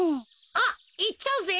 あっいっちゃうぜ。